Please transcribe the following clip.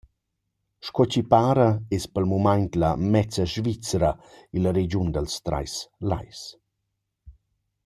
Sco chi para es pel mumaint la mezza Svizra illa regiun dals trais lais.